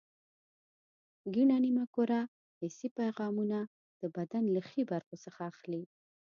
کیڼه نیمه کره حسي پیغامونه د بدن له ښي برخو څخه اخلي.